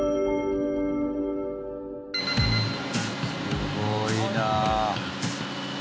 すごいなあ！